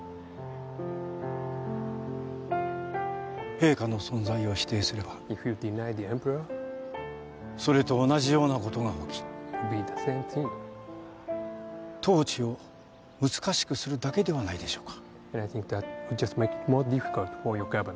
陛下の存在を否定すればそれと同じようなことが起き統治を難しくするだけではないでしょうか？